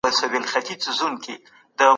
ملګري ستاسو انتخاب دی.